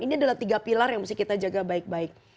ini adalah tiga pilar yang mesti kita jaga baik baik